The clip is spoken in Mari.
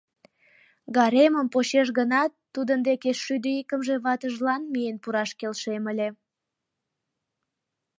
Гаремым почеш гынат, тудын деке шӱдӧ икымше ватыжлан миен пураш келшем ыле.